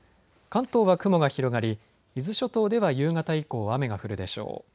関東は雲が広がり伊豆諸島では夕方以降、雨が降るでしょう。